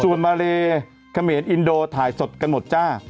สุมมาเลเขาเมริกาอินโดถ่ายสดกันหมดจ้ะ